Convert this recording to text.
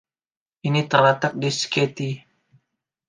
Ini terletak di Sketty.